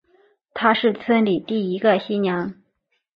她是村里第一个新娘